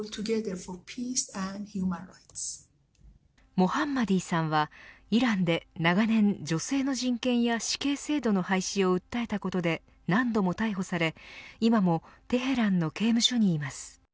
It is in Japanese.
モハンマディさんはイランで長年、女性の人権や死刑制度の廃止を訴えたことで何度も逮捕され今もテヘランの刑務所にいます。